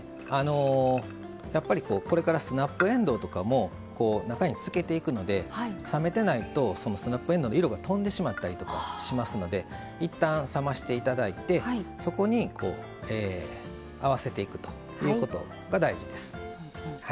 やっぱり、これからスナップえんどうとかも中につけていくので冷めてないとスナップえんどうの色がとんでしまったりとかしますのでいったん、冷ましていただいてそこに合わせていくということが大事です。